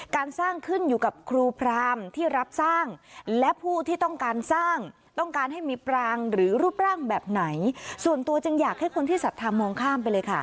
การสร้างขึ้นอยู่กับครูพรามที่รับสร้างและผู้ที่ต้องการสร้างต้องการให้มีปรางหรือรูปร่างแบบไหนส่วนตัวจึงอยากให้คนที่ศรัทธามองข้ามไปเลยค่ะ